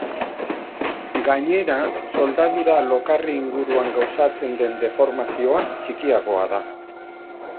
Gainera, soldadura lokarri inguruan gauzatzen den deformazioa txikiagoa da.